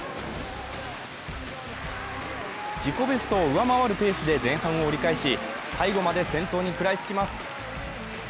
自己ベストを上回るペースで前半を折り返し、最後まで先頭に食らいつきます。